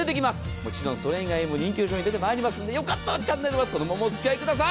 もちろん、それ以外も人気の商品出てまいりますのでよかったらチャンネルはそのままお付き合いください。